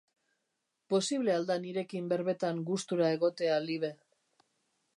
Posible al da nirekin berbetan gustura egotea Libe?